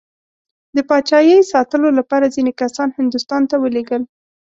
د پاچایۍ ساتلو لپاره ځینې کسان هندوستان ته ولېږدول.